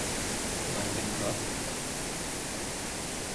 มันเป็นรถ